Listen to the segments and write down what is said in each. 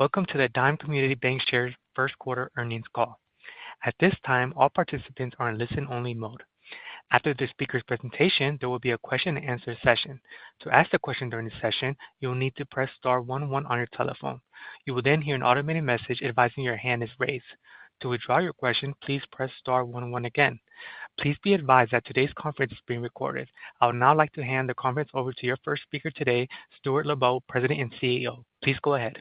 Welcome to the Dime Community Bancshares First Quarter Earnings Call. At this time, all participants are in listen-only mode. After the speaker's presentation, there will be a question-and-answer session. To ask a question during the session, you will need to press star one one on your telephone. You will then hear an automated message advising your hand is raised. To withdraw your question, please press star one one again. Please be advised that today's conference is being recorded. I would now like to hand the conference over to your first speaker today, Stuart Lubow, President and CEO. Please go ahead.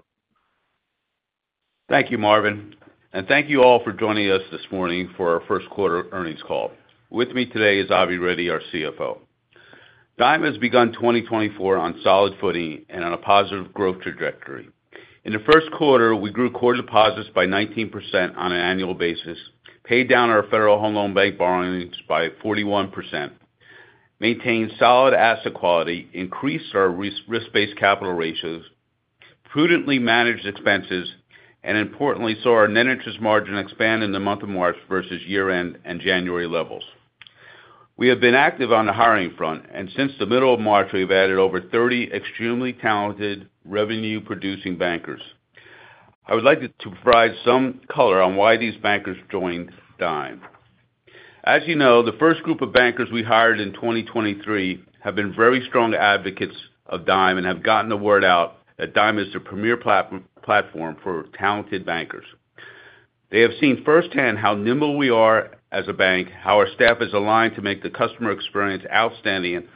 Thank you, Marvin. Thank you all for joining us this morning for our first quarter earnings call. With me today is Avi Reddy, our CFO. Dime has begun 2024 on solid footing and on a positive growth trajectory. In the first quarter, we grew core deposits by 19% on an annual basis, paid down our Federal Home Loan Bank borrowings by 41%, maintained solid asset quality, increased our risk-based capital ratios, prudently managed expenses, and importantly, saw our net interest margin expand in the month of March versus year-end and January levels. We have been active on the hiring front, and since the middle of March, we have added over 30 extremely talented, revenue-producing bankers. I would like to provide some color on why these bankers joined Dime. As you know, the first group of bankers we hired in 2023 have been very strong advocates of Dime and have gotten the word out that Dime is the premier platform for talented bankers. They have seen firsthand how nimble we are as a bank, how our staff is aligned to make the customer experience outstanding,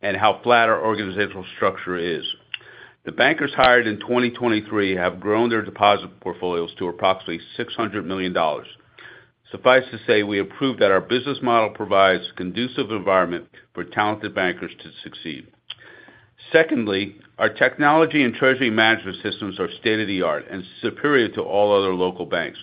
and how flat our organizational structure is. The bankers hired in 2023 have grown their deposit portfolios to approximately $600 million. Suffice to say, we prove that our business model provides a conducive environment for talented bankers to succeed. Secondly, our technology and treasury management systems are state-of-the-art and superior to all other local banks.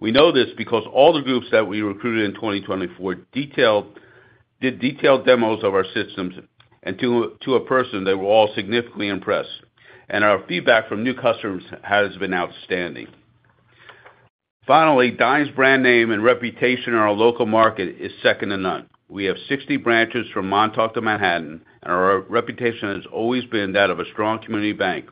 We know this because all the groups that we recruited in 2024 did detailed demos of our systems, and to a person, they were all significantly impressed. Our feedback from new customers has been outstanding. Finally, Dime's brand name and reputation in our local market is second to none. We have 60 branches from Montauk to Manhattan, and our reputation has always been that of a strong community bank.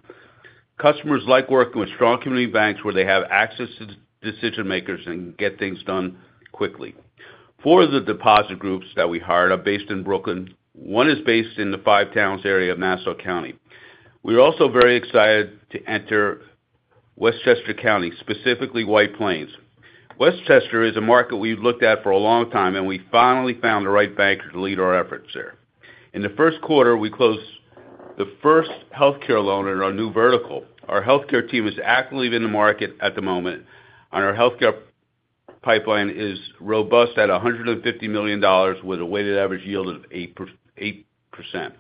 Customers like working with strong community banks where they have access to decision-makers and can get things done quickly. Four of the deposit groups that we hired are based in Brooklyn. One is based in the Five Towns area of Nassau County. We are also very excited to enter Westchester County, specifically White Plains. Westchester is a market we've looked at for a long time, and we finally found the right banker to lead our efforts there. In the first quarter, we closed the first healthcare loan in our new vertical. Our healthcare team is actively in the market at the moment, and our healthcare pipeline is robust at $150 million with a weighted average yield of 8%.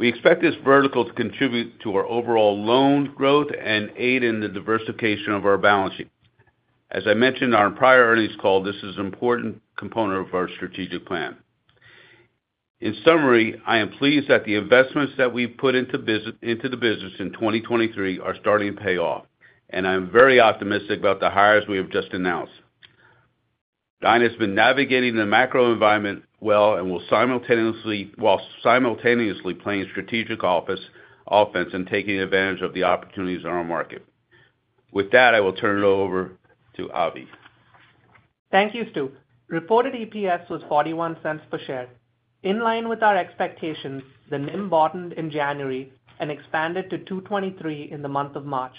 We expect this vertical to contribute to our overall loan growth and aid in the diversification of our balance sheet. As I mentioned on a prior earnings call, this is an important component of our strategic plan. In summary, I am pleased that the investments that we've put into the business in 2023 are starting to pay off, and I am very optimistic about the hires we have just announced. Dime has been navigating the macro environment well while simultaneously playing strategic offense and taking advantage of the opportunities in our market. With that, I will turn it over to Avi. Thank you, Stu. Reported EPS was $0.41 per share. In line with our expectations, the NIM bottomed in January and expanded to 2.23 in the month of March.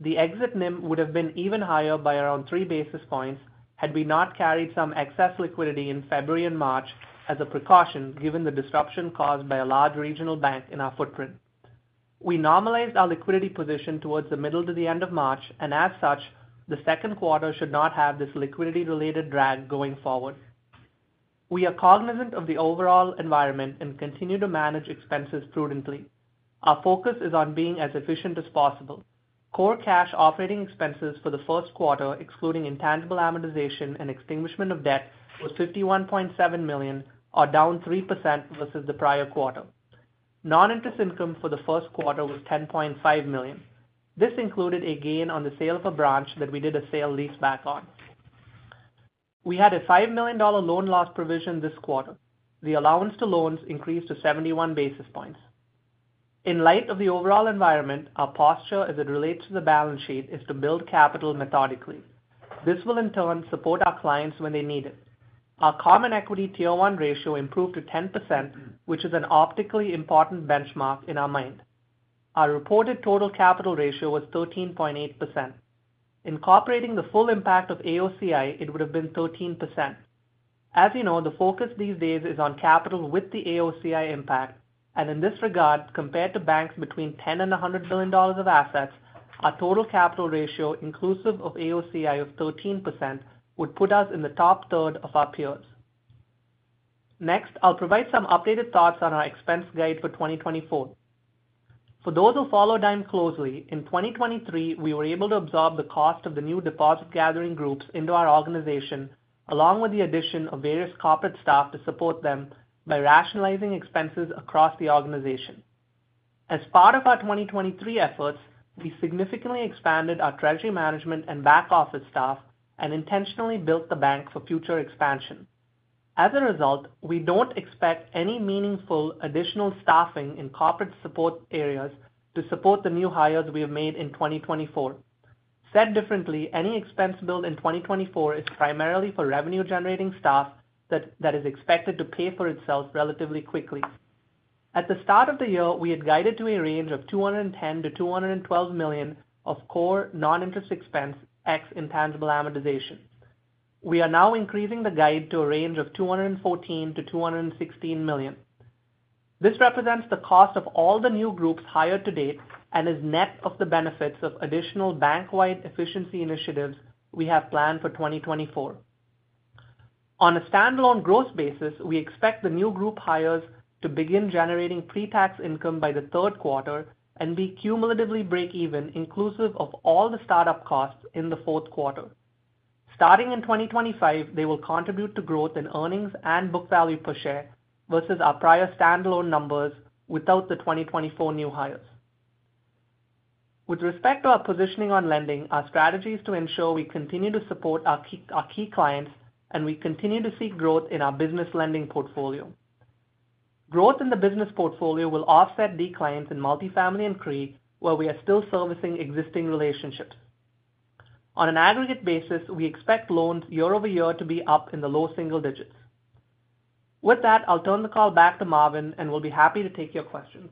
The exit NIM would have been even higher by around three basis points had we not carried some excess liquidity in February and March as a precaution given the disruption caused by a large regional bank in our footprint. We normalized our liquidity position towards the middle to the end of March, and as such, the second quarter should not have this liquidity-related drag going forward. We are cognizant of the overall environment and continue to manage expenses prudently. Our focus is on being as efficient as possible. Core cash operating expenses for the first quarter, excluding intangible amortization and extinguishment of debt, was $51.7 million, or down 3% versus the prior quarter. Non-interest income for the first quarter was $10.5 million. This included a gain on the sale of a branch that we did a sale-leaseback on. We had a $5 million loan loss provision this quarter. The allowance to loans increased to 71 basis points. In light of the overall environment, our posture as it relates to the balance sheet is to build capital methodically. This will, in turn, support our clients when they need it. Our Common Equity Tier 1 ratio improved to 10%, which is an optically important benchmark in our mind. Our reported total capital ratio was 13.8%. Incorporating the full impact of AOCI, it would have been 13%. As you know, the focus these days is on capital with the AOCI impact, and in this regard, compared to banks between $10 billion and $100 billion of assets, our total capital ratio, inclusive of AOCI of 13%, would put us in the top third of our peers. Next, I'll provide some updated thoughts on our expense guide for 2024. For those who follow Dime closely, in 2023, we were able to absorb the cost of the new deposit gathering groups into our organization, along with the addition of various corporate staff to support them by rationalizing expenses across the organization. As part of our 2023 efforts, we significantly expanded our treasury management and back office staff and intentionally built the bank for future expansion. As a result, we don't expect any meaningful additional staffing in corporate support areas to support the new hires we have made in 2024. Said differently, any expense billed in 2024 is primarily for revenue-generating staff that is expected to pay for itself relatively quickly. At the start of the year, we had guided to a range of $210 million-$212 million of core non-interest expense ex intangible amortization. We are now increasing the guide to a range of $214 million-$216 million. This represents the cost of all the new groups hired to date and is net of the benefits of additional bank-wide efficiency initiatives we have planned for 2024. On a standalone growth basis, we expect the new group hires to begin generating pre-tax income by the third quarter and be cumulatively break-even, inclusive of all the startup costs in the fourth quarter. Starting in 2025, they will contribute to growth in earnings and book value per share versus our prior standalone numbers without the 2024 new hires. With respect to our positioning on lending, our strategy is to ensure we continue to support our key clients and we continue to seek growth in our business lending portfolio. Growth in the business portfolio will offset declines in multifamily and CRE, where we are still servicing existing relationships. On an aggregate basis, we expect loans year-over-year to be up in the low single digits. With that, I'll turn the call back to Marvin, and we'll be happy to take your questions.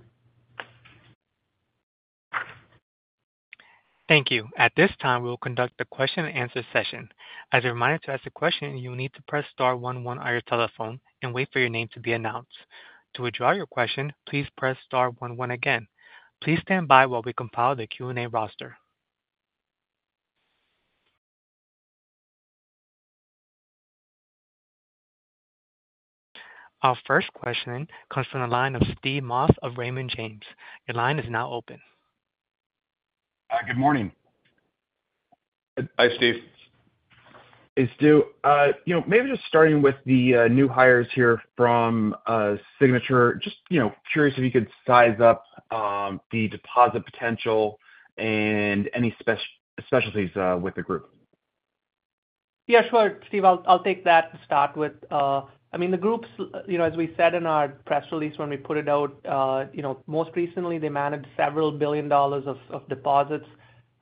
Thank you. At this time, we will conduct the question-and-answer session. As a reminder to ask a question, you will need to press star 11 on your telephone and wait for your name to be announced. To withdraw your question, please press star one one again. Please stand by while we compile the Q&A roster. Our first question comes from the line of Steve Moss of Raymond James. Your line is now open. Good morning. Hi, Steve. Hey, Stu. Maybe just starting with the new hires here from Signature, just curious if you could size up the deposit potential and any specialties with the group? Yeah, sure, Steve. I'll take that to start with. I mean, the groups, as we said in our press release when we put it out, most recently, they managed several billion dollars of deposits.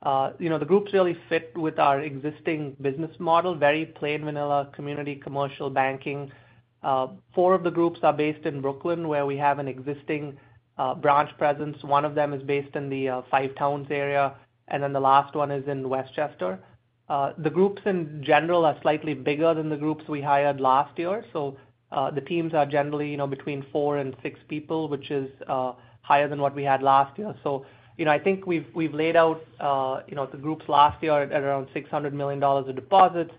The groups really fit with our existing business model, very plain vanilla community commercial banking. Four of the groups are based in Brooklyn, where we have an existing branch presence. One of them is based in the Five Towns area, and then the last one is in Westchester. The groups, in general, are slightly bigger than the groups we hired last year. So the teams are generally between four and six people, which is higher than what we had last year. So I think we've laid out the groups last year at around $600 million of deposits.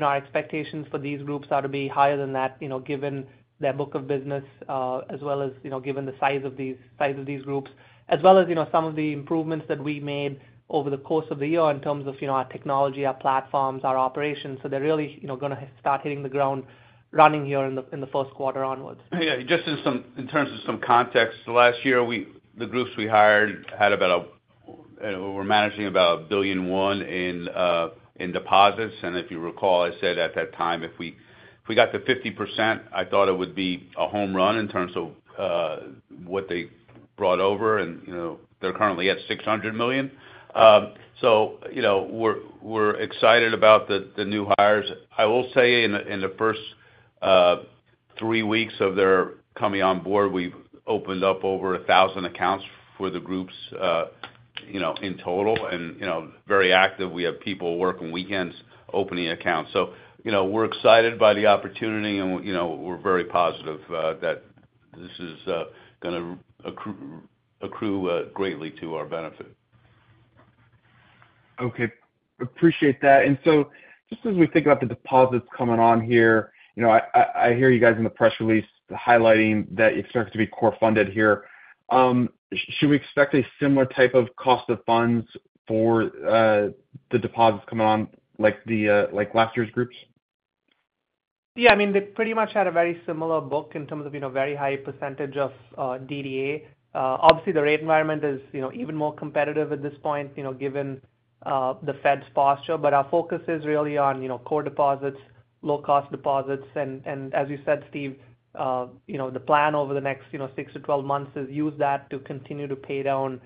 Our expectations for these groups are to be higher than that given their book of business as well as given the size of these groups, as well as some of the improvements that we made over the course of the year in terms of our technology, our platforms, our operations. So they're really going to start hitting the ground running here in the first quarter onwards. Yeah. Just in terms of some context, the last year, the groups we hired had about $1.1 billion in deposits. And if you recall, I said at that time, if we got to 50%, I thought it would be a home run in terms of what they brought over, and they're currently at $600 million. So we're excited about the new hires. I will say, in the first three weeks of their coming on board, we've opened up over 1,000 accounts for the groups in total and very active. We have people working weekends opening accounts. So we're excited by the opportunity, and we're very positive that this is going to accrue greatly to our benefit. Okay. Appreciate that. And so just as we think about the deposits coming on here, I hear you guys in the press release highlighting that it starts to be core funded here. Should we expect a similar type of cost of funds for the deposits coming on like last year's groups? Yeah. I mean, they pretty much had a very similar book in terms of a very high percentage of DDA. Obviously, the rate environment is even more competitive at this point given the Fed's posture. But our focus is really on core deposits, low-cost deposits. And as you said, Steve, the plan over the next six to 12 months is use that to continue to pay down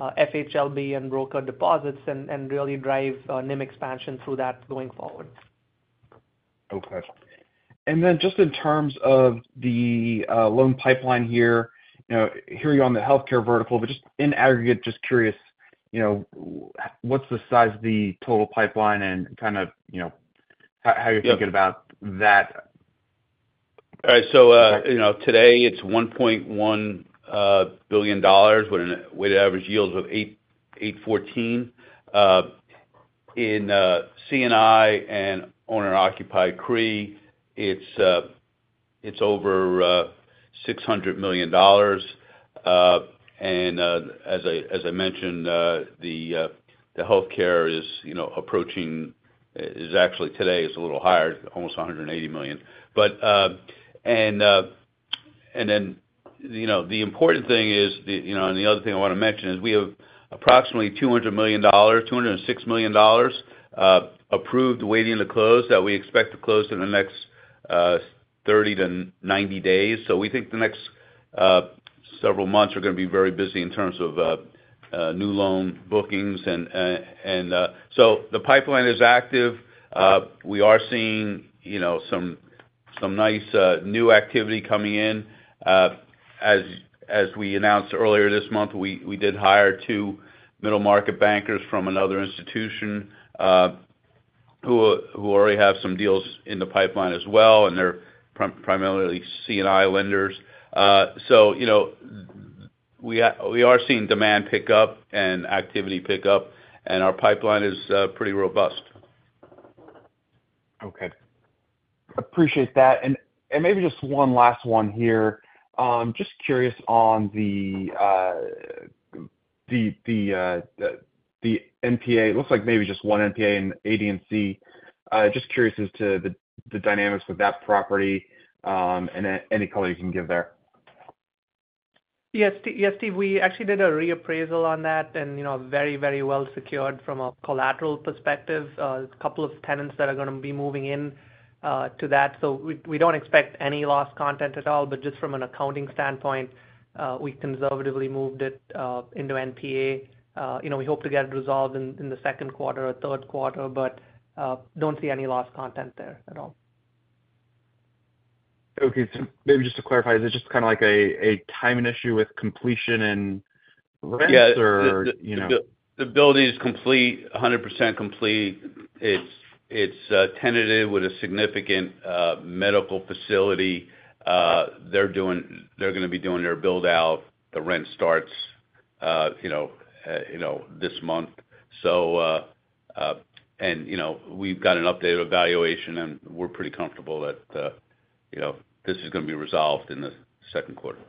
FHLB and broker deposits and really drive NIM expansion through that going forward. Okay. And then just in terms of the loan pipeline here, here you're on the healthcare vertical, but just in aggregate, just curious, what's the size of the total pipeline and kind of how you're thinking about that? All right. So today, it's $1.1 billion with a weighted average yield of 8.14%. In C&I and owner-occupied CRE, it's over $600 million. And as I mentioned, the healthcare is approaching actually, today, is a little higher, almost $180 million. And then the important thing is and the other thing I want to mention is we have approximately $200 million, $206 million approved waiting to close that we expect to close in the next 30-90 days. So we think the next several months are going to be very busy in terms of new loan bookings. And so the pipeline is active. We are seeing some nice new activity coming in. As we announced earlier this month, we did hire two middle-market bankers from another institution who already have some deals in the pipeline as well, and they're primarily C&I lenders. We are seeing demand pick up and activity pick up, and our pipeline is pretty robust. Okay. Appreciate that. And maybe just one last one here. Just curious on the NPA. It looks like maybe just one NPA in AD&C. Just curious as to the dynamics with that property and any color you can give there. Yeah, Steve. Yeah, Steve, we actually did a reappraisal on that and very, very well secured from a collateral perspective. A couple of tenants that are going to be moving into that. So we don't expect any loss content at all, but just from an accounting standpoint, we conservatively moved it into NPA. We hope to get it resolved in the second quarter or third quarter, but don't see any loss content there at all. Okay. So maybe just to clarify, is it just kind of like a timing issue with completion and rents, or? Yes. The building is complete, 100% complete. It's tenanted with a significant medical facility. They're going to be doing their build-out. The rent starts this month. And we've got an updated evaluation, and we're pretty comfortable that this is going to be resolved in the second quarter.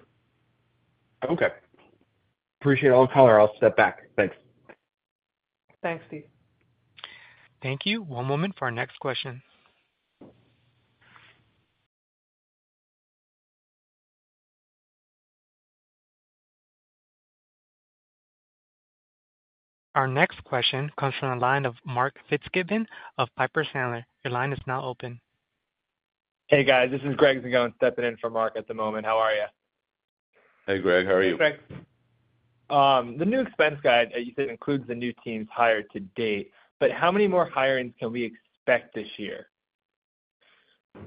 Okay. Appreciate all the color. I'll step back. Thanks. Thanks, Steve. Thank you. One moment for our next question. Our next question comes from the line of Mark Fitzgibbon of Piper Sandler. Your line is now open. Hey, guys. This is Greg Zingone stepping in for Mark at the moment. How are you? Hey, Greg. How are you? Thanks. The new expense guide, you said, includes the new teams hired to date, but how many more hirings can we expect this year?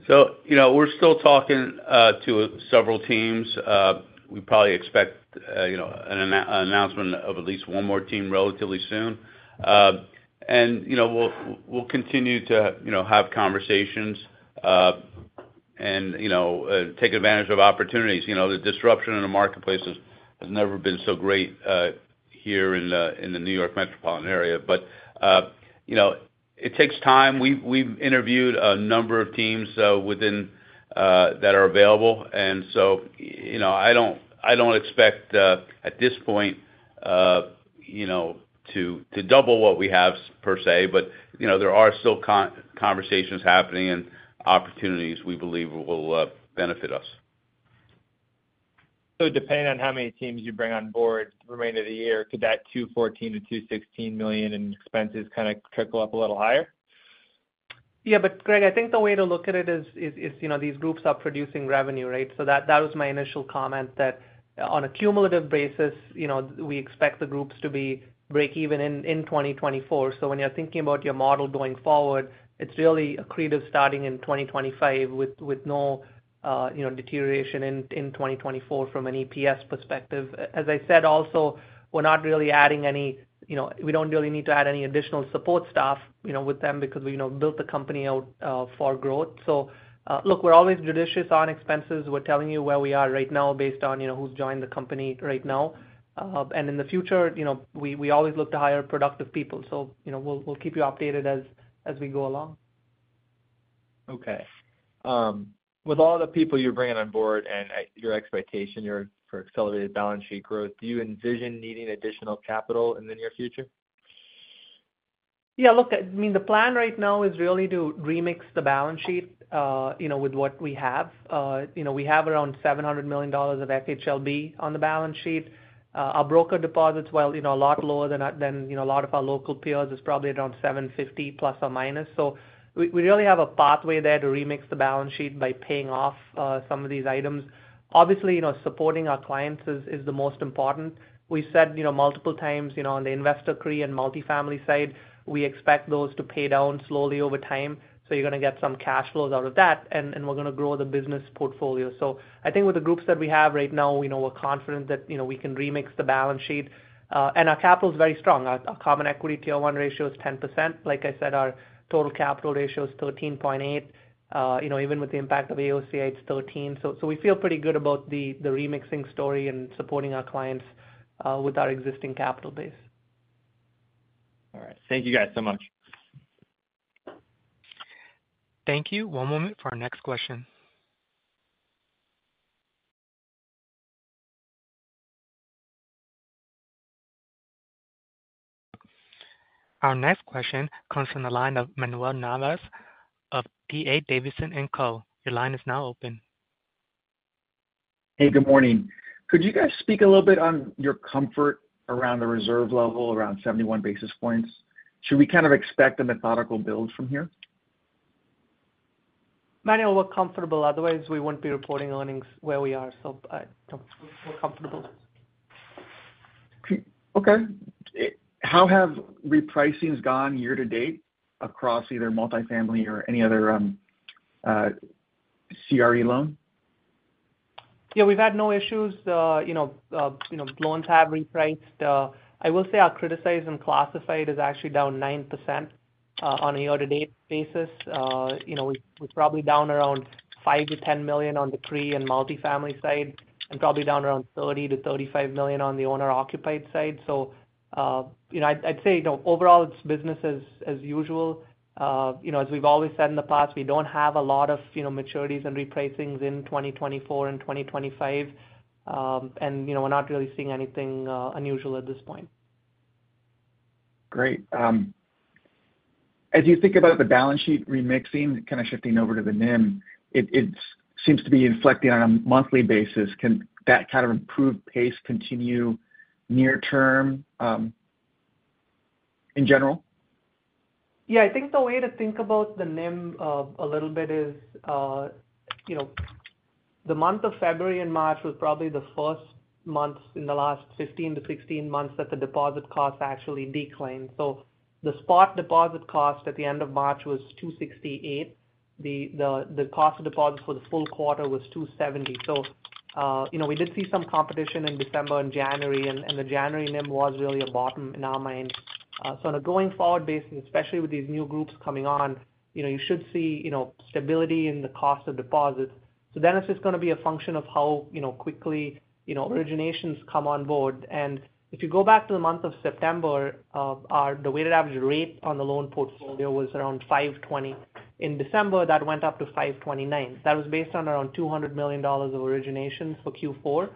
So we're still talking to several teams. We probably expect an announcement of at least one more team relatively soon. And we'll continue to have conversations and take advantage of opportunities. The disruption in the marketplace has never been so great here in the New York metropolitan area, but it takes time. We've interviewed a number of teams that are available, and so I don't expect at this point to double what we have, per se, but there are still conversations happening and opportunities we believe will benefit us. Depending on how many teams you bring on board the remainder of the year, could that $214 million-$216 million in expenses kind of trickle up a little higher? Yeah, but Greg, I think the way to look at it is these groups are producing revenue, right? So that was my initial comment, that on a cumulative basis, we expect the groups to be break-even in 2024. So when you're thinking about your model going forward, it's really accretive starting in 2025 with no deterioration in 2024 from an EPS perspective. As I said, also, we're not really adding any we don't really need to add any additional support staff with them because we built the company out for growth. So look, we're always judicious on expenses. We're telling you where we are right now based on who's joined the company right now. And in the future, we always look to hire productive people. So we'll keep you updated as we go along. Okay. With all the people you're bringing on board and your expectation for accelerated balance sheet growth, do you envision needing additional capital in the near future? Yeah. Look, I mean, the plan right now is really to remix the balance sheet with what we have. We have around $700 million of FHLB on the balance sheet. Our broker deposits, while a lot lower than a lot of our local peers, is probably around $750 million ±. So we really have a pathway there to remix the balance sheet by paying off some of these items. Obviously, supporting our clients is the most important. We said multiple times on the investor call and multifamily side, we expect those to pay down slowly over time. So you're going to get some cash flows out of that, and we're going to grow the business portfolio. So I think with the groups that we have right now, we're confident that we can remix the balance sheet. And our capital is very strong. Our common equity tier one ratio is 10%. Like I said, our total capital ratio is 13.8. Even with the impact of AOCI, it's 13. So we feel pretty good about the remixing story and supporting our clients with our existing capital base. All right. Thank you guys so much. Thank you. One moment for our next question. Our next question comes from the line of Manuel Navas of D.A. Davidson & Co. Your line is now open. Hey, good morning. Could you guys speak a little bit on your comfort around the reserve level, around 71 basis points? Should we kind of expect a methodical build from here? Manuel, we're comfortable. Otherwise, we won't be reporting earnings where we are. So we're comfortable. Okay. How have repricings gone year to date across either multifamily or any other CRE loan? Yeah, we've had no issues. Loans have repriced. I will say our criticized and classified is actually down 9% on a year-to-date basis. We're probably down around $5 million-$10 million on the CRE and multifamily side and probably down around $30 million-$35 million on the owner-occupied side. So I'd say overall, it's business as usual. As we've always said in the past, we don't have a lot of maturities and repricings in 2024 and 2025, and we're not really seeing anything unusual at this point. Great. As you think about the balance sheet remixing, kind of shifting over to the NIM, it seems to be inflecting on a monthly basis. Can that kind of improved pace continue near-term in general? Yeah. I think the way to think about the NIM a little bit is the month of February and March was probably the first months in the last 15-16 months that the deposit cost actually declined. So the spot deposit cost at the end of March was 2.68. The cost of deposit for the full quarter was 2.70. So we did see some competition in December and January, and the January NIM was really a bottom in our mind. So on a going-forward basis, especially with these new groups coming on, you should see stability in the cost of deposits. So then it's just going to be a function of how quickly originations come on board. And if you go back to the month of September, the weighted average rate on the loan portfolio was around 5.20. In December, that went up to 5.29. That was based on around $200 million of originations for Q4.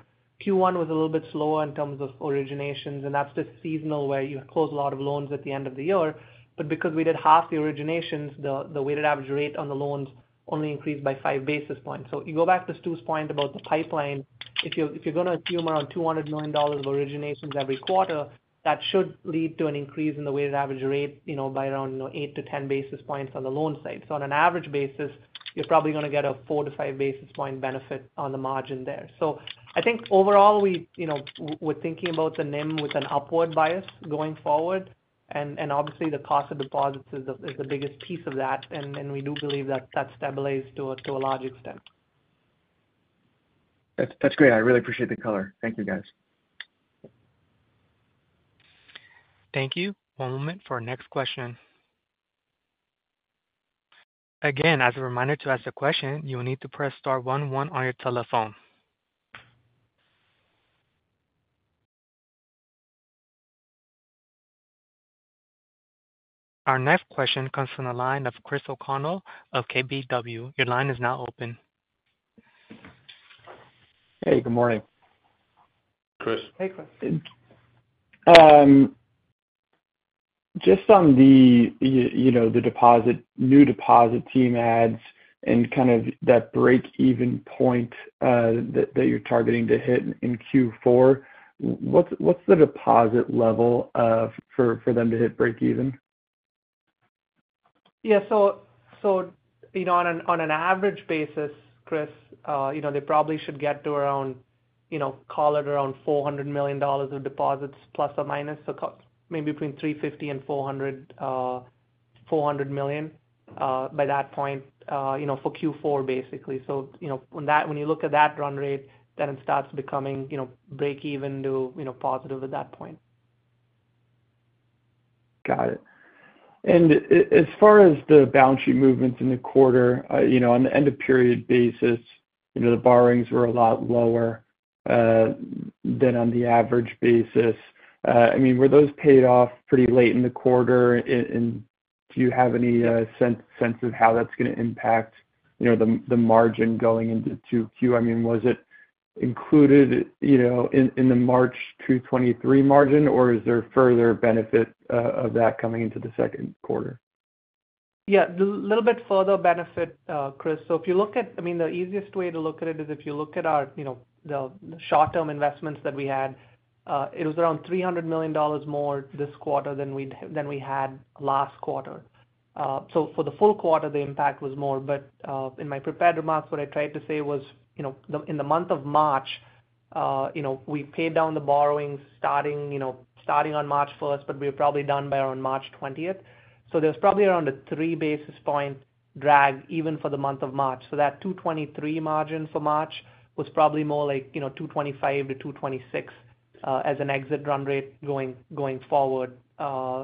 Q1 was a little bit slower in terms of originations, and that's just seasonal where you close a lot of loans at the end of the year. But because we did half the originations, the weighted average rate on the loans only increased by five basis points. So you go back to Stu's point about the pipeline, if you're going to assume around $200 million of originations every quarter, that should lead to an increase in the weighted average rate by around eight to 10 basis points on the loan side. So on an average basis, you're probably going to get a four to five basis point benefit on the margin there. So I think overall, we're thinking about the NIM with an upward bias going forward. Obviously, the cost of deposits is the biggest piece of that, and we do believe that that stabilized to a large extent. That's great. I really appreciate the color. Thank you, guys. Thank you. One moment for our next question. Again, as a reminder to ask the question, you will need to press star 11 on your telephone. Our next question comes from the line of Chris O'Connell of KBW. Your line is now open. Hey, good morning. Chris. Hey, Chris. Just on the new deposit team adds and kind of that break-even point that you're targeting to hit in Q4, what's the deposit level for them to hit break-even? Yeah. So on an average basis, Chris, they probably should get to around, call it, around $400 million of deposits ±. So maybe between $350 million and $400 million by that point for Q4, basically. So when you look at that run rate, then it starts becoming break-even to positive at that point. Got it. And as far as the balance sheet movements in the quarter, on the end-of-period basis, the borrowings were a lot lower than on the average basis. I mean, were those paid off pretty late in the quarter, and do you have any sense of how that's going to impact the margin going into 2Q? I mean, was it included in the March 2023 margin, or is there further benefit of that coming into the second quarter? Yeah, a little bit further benefit, Chris. So if you look at I mean, the easiest way to look at it is if you look at the short-term investments that we had, it was around $300 million more this quarter than we had last quarter. So for the full quarter, the impact was more. But in my prepared remarks, what I tried to say was in the month of March, we paid down the borrowings starting on March 1st, but we were probably done by around March 20th. So there was probably around a three basis point drag even for the month of March. So that $2.23 margin for March was probably more like $2.25-$2.26 as an exit run rate going forward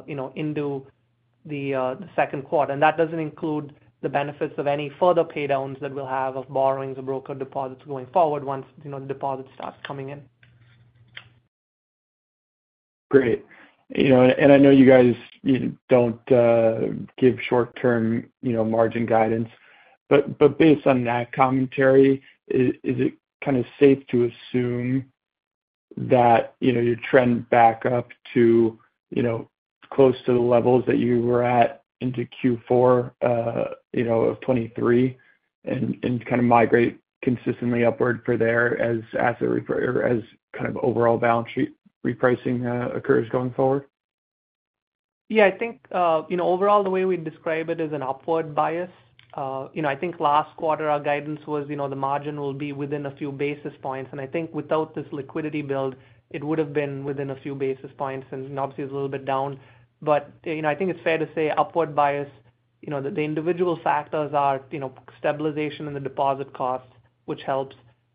into the second quarter. That doesn't include the benefits of any further paydowns that we'll have of borrowings or broker deposits going forward once the deposits start coming in. Great. I know you guys don't give short-term margin guidance, but based on that commentary, is it kind of safe to assume that you trend back up close to the levels that you were at into Q4 of 2023 and kind of migrate consistently upward from there as kind of overall balance sheet repricing occurs going forward? Yeah. I think overall, the way we describe it is an upward bias. I think last quarter, our guidance was the margin will be within a few basis points. And I think without this liquidity build, it would have been within a few basis points and obviously is a little bit down. But I think it's fair to say upward bias, the individual factors are stabilization in the deposit cost, which helps,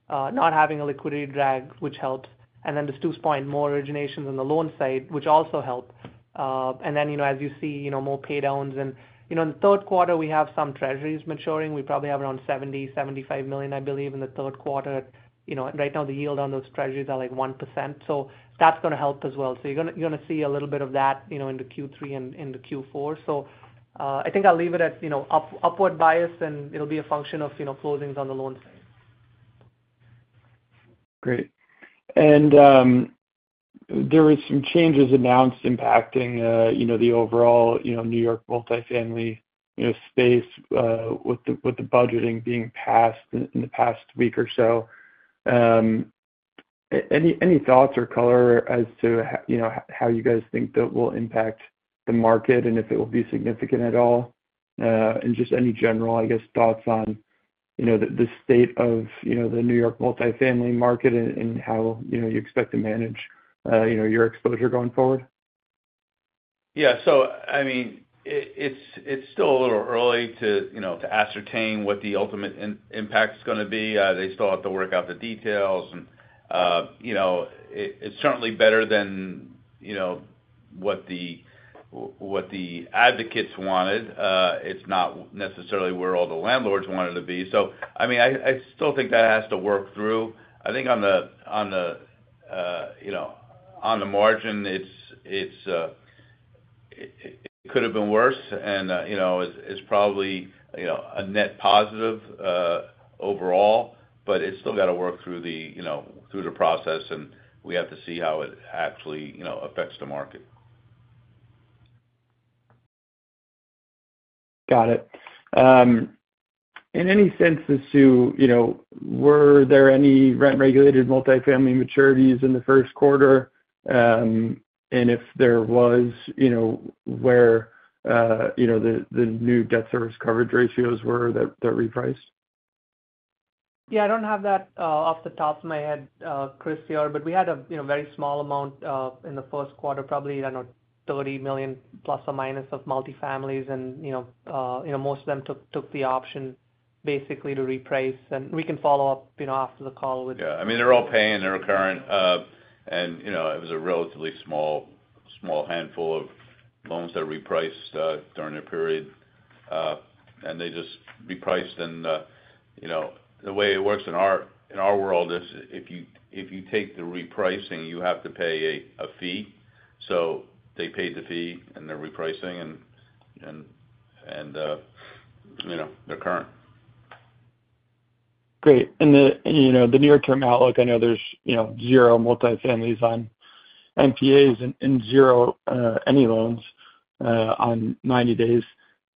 not having a liquidity drag, which helps. And then to Stu's point, more originations on the loan side, which also help. And then as you see, more paydowns. And in the third quarter, we have some treasuries maturing. We probably have around $70-$75 million, I believe, in the third quarter. Right now, the yield on those treasuries are like 1%. So that's going to help as well. So you're going to see a little bit of that into Q3 and into Q4. So I think I'll leave it at upward bias, and it'll be a function of closings on the loan side. Great. And there were some changes announced impacting the overall New York multifamily space with the budgeting being passed in the past week or so. Any thoughts or color as to how you guys think that will impact the market and if it will be significant at all? And just any general, I guess, thoughts on the state of the New York multifamily market and how you expect to manage your exposure going forward? Yeah. So I mean, it's still a little early to ascertain what the ultimate impact is going to be. They still have to work out the details. And it's certainly better than what the advocates wanted. It's not necessarily where all the landlords wanted to be. So I mean, I still think that has to work through. I think on the margin, it could have been worse, and it's probably a net positive overall, but it's still got to work through the process, and we have to see how it actually affects the market. Got it. In any sense to Stu, were there any rent-regulated multifamily maturities in the first quarter? And if there was, where the new debt service coverage ratios were that repriced? Yeah. I don't have that off the top of my head, Chris, here, but we had a very small amount in the first quarter, probably, I don't know, $30 million± of multifamilies, and most of them took the option basically to reprice. And we can follow up after the call with. Yeah. I mean, they're all paying. They're current. And it was a relatively small handful of loans that repriced during their period. And they just repriced. And the way it works in our world is if you take the repricing, you have to pay a fee. So they paid the fee, and they're repricing, and they're current. Great. In the near-term outlook, I know there's zero multifamilies on NPAs and zero any loans on 90 days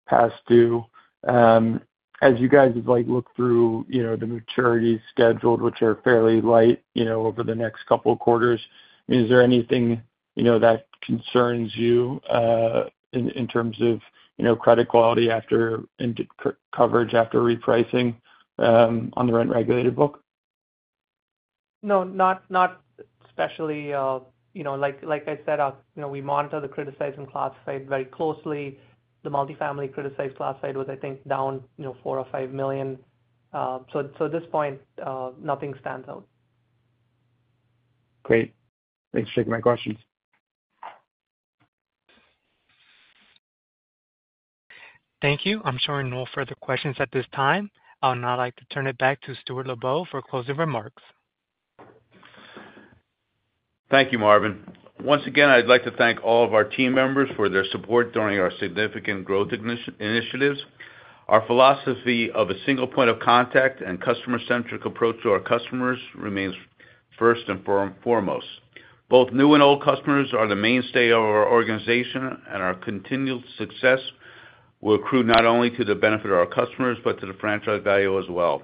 past due. As you guys look through the maturities scheduled, which are fairly light over the next couple of quarters, is there anything that concerns you in terms of credit quality and coverage after repricing on the rent-regulated book? No, not especially. Like I said, we monitor the criticized and classified very closely. The multifamily criticized classified was, I think, down $4million-$5 million. So at this point, nothing stands out. Great. Thanks for taking my questions. Thank you. I'm showing no further questions at this time. I would now like to turn it back to Stuart Lubow for closing remarks. Thank you, Marvin. Once again, I'd like to thank all of our team members for their support during our significant growth initiatives. Our philosophy of a single point of contact and customer-centric approach to our customers remains first and foremost. Both new and old customers are the mainstay of our organization, and our continued success will accrue not only to the benefit of our customers but to the franchise value as well.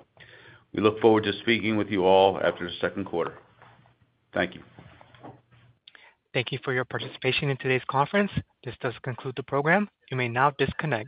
We look forward to speaking with you all after the second quarter. Thank you. Thank you for your participation in today's conference. This does conclude the program. You may now disconnect.